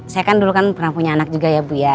saya kan dulu kan pernah punya anak juga ya bu ya